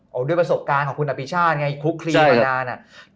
เอาด้วยประสบการณ์ของคุณอภิชาติไงคุกคลีมานานอ่ะ